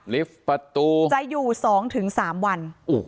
ลิฟต์ประตูจะอยู่สองถึงสามวัน